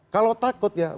kalau takut ya